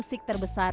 ya ini orang teman